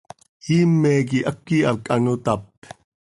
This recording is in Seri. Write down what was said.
¿Iime quih háqui hac ano tap?